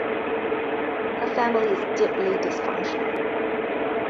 Her family is deeply dysfunctional.